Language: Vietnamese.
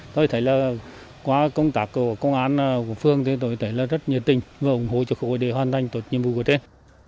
tôi thấy là qua công tác của công an của phương thì tôi thấy là rất nhiệt tình và ủng hộ cho khối để hoàn thành tốt nhiệm vụ của trên